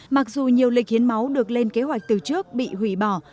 mặc dù nhiều lịch hiến máu được lên kế hoạch từ trước bị hủy bỏ